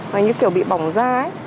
nó như kiểu bị bỏng da ấy